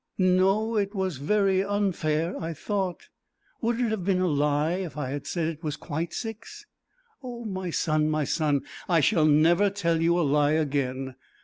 "No, it was very unfair. I thought " "Would it have been a lie if I had said it was quite six?" "Oh, my son, my son! I shall never tell you a lie again."